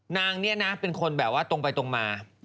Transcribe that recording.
นางนี้เป็นคนตรงไปตรงมา